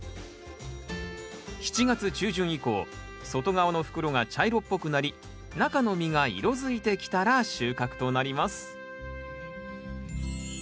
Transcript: ７月中旬以降外側の袋が茶色っぽくなり中の実が色づいてきたら収穫となります